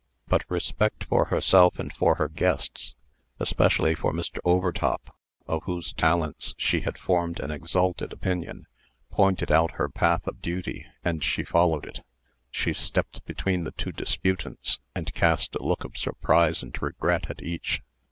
But respect for herself and for her guests especially for Mr. Overtop, of whose talents she had formed an exalted opinion pointed out her path of duty, and she followed it. She stepped between the two disputants, and cast a look of surprise and regret at each.